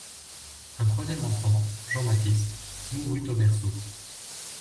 Un troisième enfant, Jean-Baptiste, mourut au berceau.